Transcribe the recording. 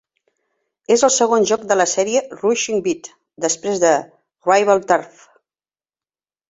És el segon joc de la sèrie "Rushing Beat", després de "Rival Turf!"